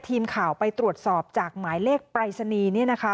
ทีมข่าวไปตรวจสอบจากหมายเลขปรายศนีย์เนี่ยนะคะ